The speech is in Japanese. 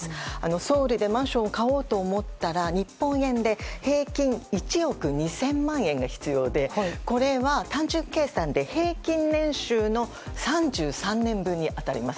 ソウルでマンションを買おうと思ったら、日本円で平均１億２０００万円が必要でこれは単純計算で平均年収の３３年分に当たります。